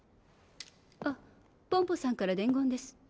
あっポンポさんからでんごんです。